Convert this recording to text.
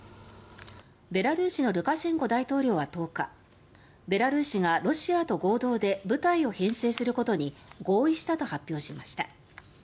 ベラルーシのルカシェンコ大統領は１０日ベラルーシがロシアと合同で部隊を編成することに合意したと発表しました。